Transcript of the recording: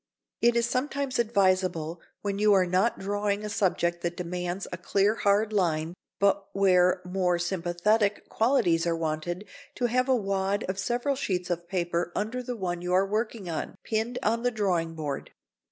It is sometimes advisable, when you are not drawing a subject that demands a clear hard line, but where more sympathetic qualities are wanted, to have a wad of several sheets of paper under the one you are working on, pinned on the drawing board.